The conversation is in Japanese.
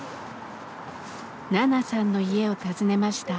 ナナさんの家を訪ねました。